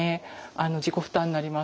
自己負担になります。